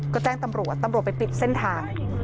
ก็แจ้งตำรวจตำรวจไปปิดเส้นทาง